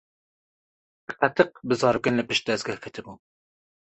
Tiqetiq bi zarokên li pişt dezgeh ketibû.